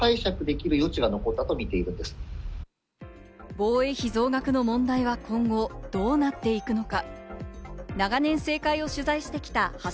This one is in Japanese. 防衛費増額の問題は今後どうなっていくのか？